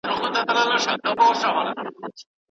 په کومو وختونو کي شريعت جماع منع کړې ده؟